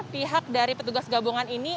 pihak dari petugas gabungan ini